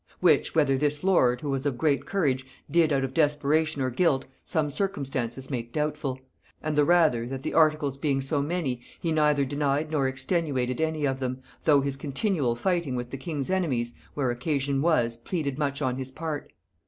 Which, whether this lord, who was of great courage, did out of desperation or guilt, some circumstances make doubtful; and the rather, that the articles being so many, he neither denied nor extenuated any of them, though his continual fighting with the king's enemies, where occasion was, pleaded much on his part.